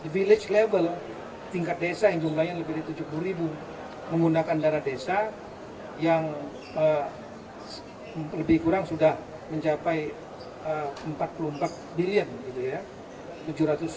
village label tingkat desa yang jumlahnya lebih dari tujuh puluh ribu menggunakan dana desa yang lebih kurang sudah mencapai empat puluh empat billion